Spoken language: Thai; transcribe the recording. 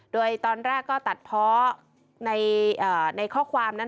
โดยตอนแรกก็ตัดเพาะในข้อความนั้น